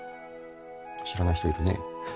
知らない人いるね。